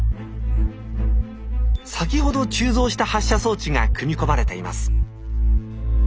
先ほど鋳造した発射装置が組み込まれています。